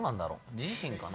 自身かな？